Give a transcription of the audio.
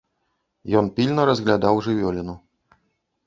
Ён пільна разглядаў жывёліну.